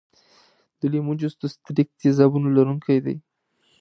د لیمو جوس د ستریک تیزابونو لرونکی دی.